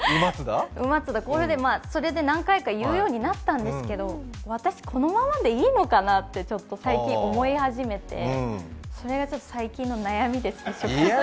それで何回か言うようになったんですけど、私、このままでいいのかなってちょっと最近思い始めてそれが最近の悩みです。